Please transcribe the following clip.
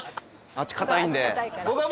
あっち硬いから。